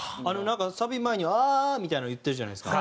サビ前に「ああー」みたいなの言ってるじゃないですか。